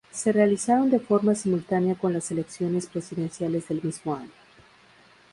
Se realizaron de forma simultánea con las elecciones presidenciales del mismo año.